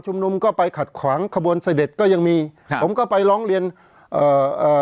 นุมก็ไปขัดขวางขบวนเสด็จก็ยังมีครับผมก็ไปร้องเรียนเอ่อเอ่อ